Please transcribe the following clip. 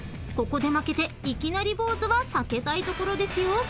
［ここで負けていきなりボウズは避けたいところですよ］